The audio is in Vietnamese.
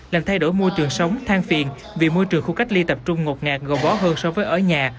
khiến phiền vì môi trường khu cách ly tập trung ngột ngạt gồm bó hơn so với ở nhà